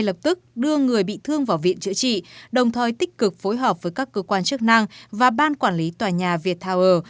lập tức đưa người bị thương vào viện chữa trị đồng thời tích cực phối hợp với các cơ quan chức năng và ban quản lý tòa nhà viettower